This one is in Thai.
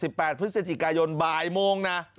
สิบแปดพฤษฎิกายนบ่ายโมงน่ะอ๋อ